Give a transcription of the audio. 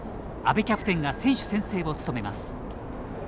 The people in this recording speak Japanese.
阿部キャプテンが選手宣誓を務めます。